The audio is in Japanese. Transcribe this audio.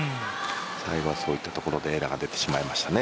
最後はそういったところでエラーが出てしまいましたね。